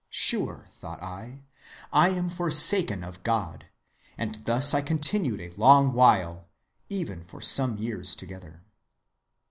Sure, thought I, I am forsaken of God; and thus I continued a long while, even for some years together.